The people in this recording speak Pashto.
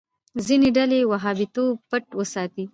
ځینې ډلې وهابيتوب پټ وساتي.